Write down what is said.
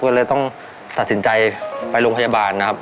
ก็เลยต้องตัดสินใจไปโรงพยาบาลนะครับ